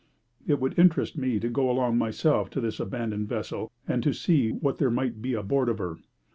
It would interest me to go myself to this abandoned vessel and to see what there might be aboard of her.